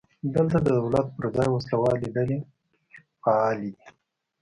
دلته د دولت پر ځای وسله والې ډلې فعالې دي.